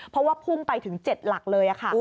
เพราะว่าพุ่งไปถึง๗หลักเลยค่ะ